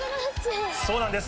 そうなんです